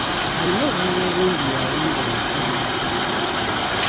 Alina obululu obungi y'awangula akalulu.